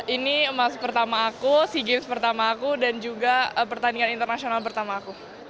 ini emas pertama aku sea games pertama aku dan juga pertandingan internasional pertama aku